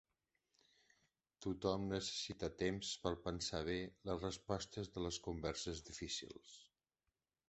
Tothom necessita temps per pensar bé les respostes de les converses difícils.